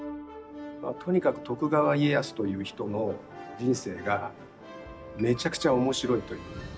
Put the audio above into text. とにかく徳川家康という人の人生がめちゃくちゃ面白いということに尽きるんですけど。